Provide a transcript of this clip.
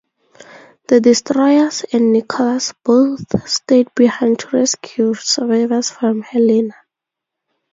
The destroyers and "Nicholas" both stayed behind to rescue survivors from "Helena".